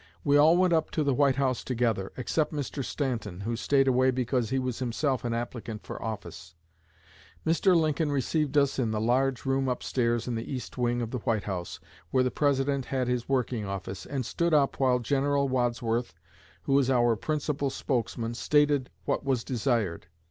We all went up to the White House together, except Mr. Stanton, who stayed away because he was himself an applicant for office. Mr. Lincoln received us in the large room upstairs in the east wing of the White House, where the President had his working office, and stood up while General Wadsworth, who was our principal spokesman, stated what was desired.